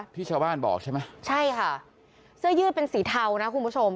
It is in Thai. ที่ชาวบ้านบอกใช่ไหมใช่ค่ะเสื้อยืดเป็นสีเทานะคุณผู้ชม